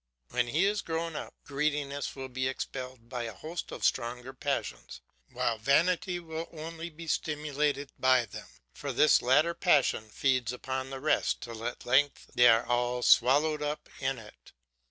When he is grown up greediness will be expelled by a host of stronger passions, while vanity will only be stimulated by them; for this latter passion feeds upon the rest till at length they are all swallowed up in it.